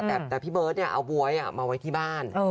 แต่พี่เบิร์ตเอาบ๊วยมาไว้ที่บ้าน